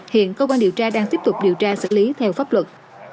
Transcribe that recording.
hiện công an điều tra đang tiếp tục điều tra xử lý theo pháp luật